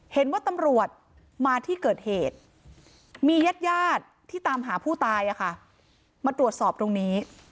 เห็นว่าตำรวจมาที่เกิดเหตุมีญาติญาติที่ตามหาผู้ตายมาตรวจสอบตรงนี้